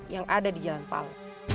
yang ada di jalan palu